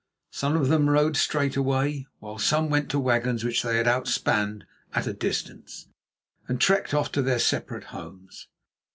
Some of them rode straight away, while some went to wagons which they had outspanned at a distance, and trekked off to their separate homes.